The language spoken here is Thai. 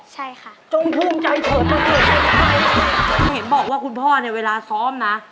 ใช่ค่ะจงภูมิใจเถอะบอกว่าคุณพ่อในเวลาซ้อมน่ะ